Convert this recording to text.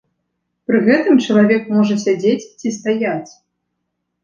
Пры гэтым чалавек можа сядзець ці стаяць.